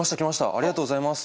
ありがとうございます。